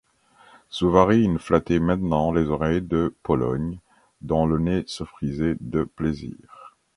Souvarine flattait maintenant les oreilles de Pologne, dont le nez se frisait de plaisir.